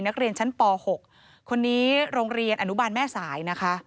นักเรียนชั้นป๖โรงเรียนอนุบาลแม่สาย